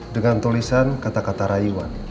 dengan tulisan kata kata rayuan